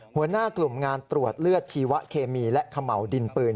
หัวหน้ากลุ่มงานตรวจเลือดชีวะเคมีและเขม่าวดินปืน